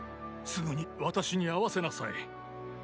すぐに私に会わせなさい。